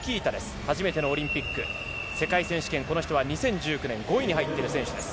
初めてのオリンピック世界選手権、２０１９年５位に入っています。